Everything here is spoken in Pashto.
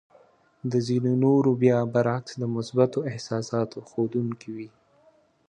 د ځينو نورو بيا برعکس د مثبتو احساساتو ښودونکې وې.